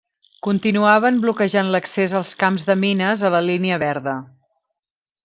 Continuaven bloquejant l'accés als camps de mines a la línia verda.